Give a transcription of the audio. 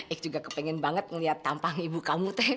eik juga kepengen banget ngeliat tampang ibu kamu teh